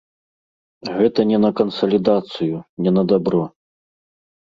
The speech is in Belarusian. Гэта не на кансалідацыю, не на дабро!